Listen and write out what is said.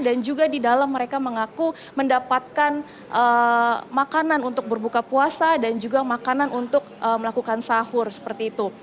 dan juga di dalam mereka mengaku mendapatkan makanan untuk berbuka puasa dan juga makanan untuk melakukan sahur seperti itu